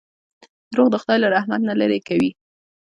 • دروغ د خدای له رحمت نه لرې کوي.